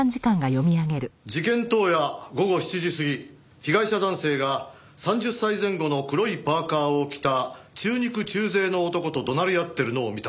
「事件当夜午後７時過ぎ被害者男性が３０歳前後の黒いパーカを着た中肉中背の男と怒鳴り合ってるのを見た」